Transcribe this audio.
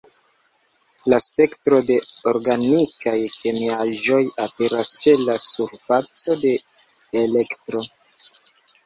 La spektro de organikaj kemiaĵoj aperas ĉe la surfaco de Elektro.